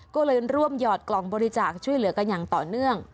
ก็เลยร่วมหยอดกล่องบริจาคช่วยเหลือกันอย่างต่อเนื่อง